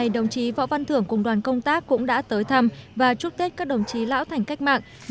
đồng chí võ văn thưởng cùng đoàn công tác cũng đã tới thăm và chúc tết các đồng chí lão thành cách mạng